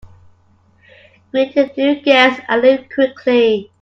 Greet the new guests and leave quickly.